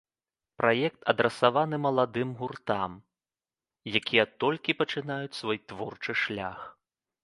Праект адрасаваны маладым гуртам, якія толькі пачынаюць свой творчы шлях.